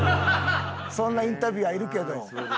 そんなインタビュアーいるけど。